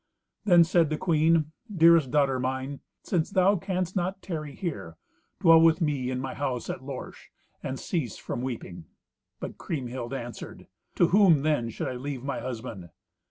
Then said the queen, "Dearest daughter mine, since thou canst not tarry here, dwell with me in my house at Lorsch, and cease from weeping." But Kriemhild answered, "To whom then should I leave my husband?"